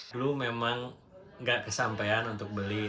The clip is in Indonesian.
dulu memang nggak kesampean untuk beli